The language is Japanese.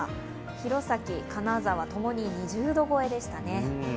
弘前、金沢、ともに２０度超えでしたね。